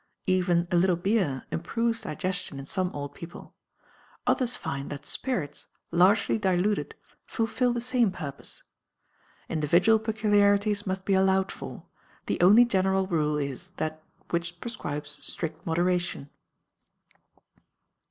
Even a little beer improves digestion in some old people; others find that spirits, largely diluted, fulfill the same purpose. Individual peculiarities must be allowed for; the only general rule is that which prescribes strict moderation.